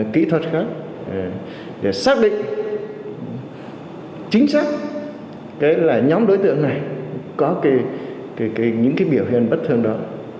kỹ thuật khác để xác định chính xác cái là nhóm đối tượng này có những biểu hiện bất thường đó